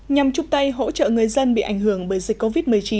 nhằm chụp tay hỗ trợ người dân bị ảnh hưởng bởi dịch covid một mươi chín